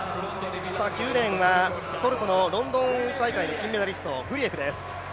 ９レーンはトルコのロンドン大会の金メダリストグリエフです。